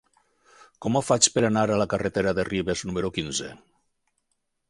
Com ho faig per anar a la carretera de Ribes número quinze?